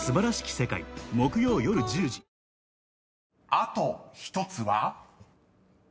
［あと１つは？］